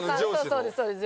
そうです